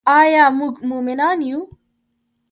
آیا موږ مومنان یو؟